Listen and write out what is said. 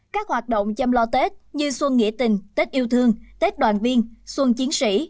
các hoạt động chăm lo tết như xuân nghĩa tình tết yêu thương tết đoàn viên xuân chiến sĩ